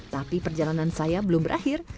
tapi perjalanan saya belum berakhir